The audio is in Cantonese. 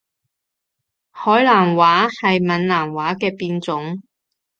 海南話係閩南話嘅變種